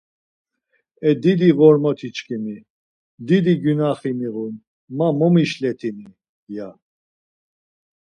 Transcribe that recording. E didi ğormotiçkimi, dido gyunaxi miğun, ma momişletini, ya.